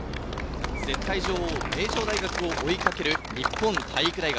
絶対女王・名城大学を追いかける日本体育大学。